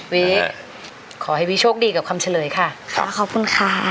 วิขอให้วิโชคดีกับคำเฉลยค่ะค่ะขอบคุณค่ะ